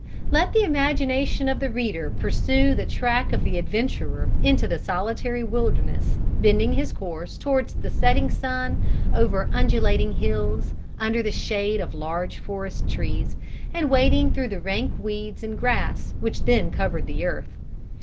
"Let the imagination of the reader pursue the track of the adventurer into the solitary wilderness, bending his course towards the setting sun over undulating hills, under the shade of large forest trees, and wading through the rank weeds and grass which then covered the earth.